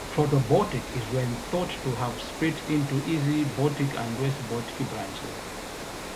Proto-Baltic is then thought to have split into East Baltic and West Baltic branches.